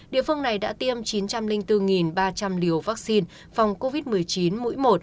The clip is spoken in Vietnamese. địa phương này đã tiêm chín trăm linh bốn ba trăm linh liều vaccine phòng covid một mươi chín mũi một